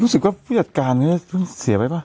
รู้สึกว่าผู้จัดการเสียไปป่ะ